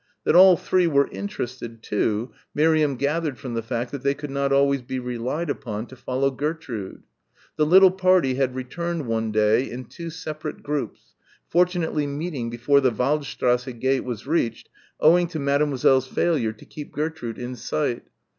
That all three were interested, too, Miriam gathered from the fact that they could not always be relied upon to follow Gertrude. The little party had returned one day in two separate groups, fortunately meeting before the Waldstrasse gate was reached, owing to Mademoiselle's failure to keep Gertrude in sight.